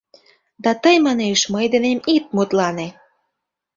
Да тый, манеш, мый денем ит мутлане.